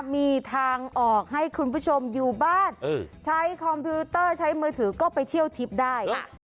มีทางออกให้คุณผู้ชมอยู่บ้านใช้คอมพิวเตอร์ใช้มือถือก็ไปเที่ยวทิพย์ได้